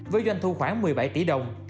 với doanh thu khoảng một mươi bảy tỷ đồng